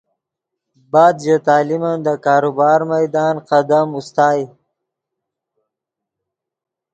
بعد ژے تعلیمن دے کاروبار میدان قدم اوستائے